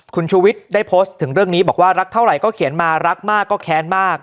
คุณชูวิทย์ได้โพสต์ถึงเรื่องนี้บอกว่ารักเท่าไหร่ก็เขียนมารักมากก็แค้นมาก